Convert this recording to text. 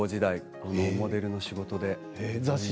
モデルの仕事で。